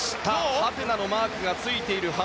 はてなのマークがついている８